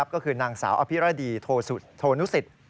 ก็คือนางสาวอภิรดีโทนุสิต